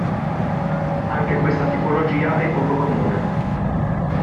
Anche questa tipologia è poco comune.